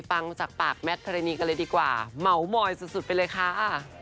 น่าลำบากใจไหมเพราะมันมีข่าวแบบนี้หรือเปล่า